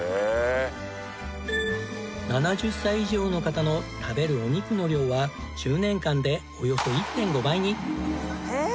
７０歳以上の方の食べるお肉の量は１０年間でおよそ１．５倍に。